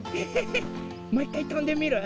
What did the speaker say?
もういっかいとんでみる？